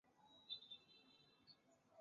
这座建筑最具特色的部分是其回廊。